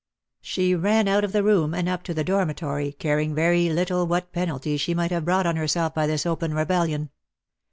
She ran out of the room, and up to the dormitory, caring very little what penalties she might have brought on herself by this open rebellion.